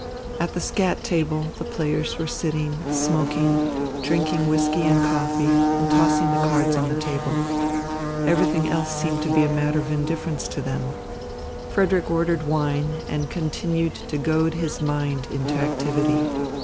At the skat table, the players were sitting, smoking, drinking whisky and coffee, and tossing the cards on the table. Everything else seemed to be a matter of indifference to them. Frederick ordered wine and continued to goad his mind into activity.